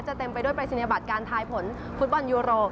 เต็มไปด้วยปรายศนียบัตรการทายผลฟุตบอลยูโร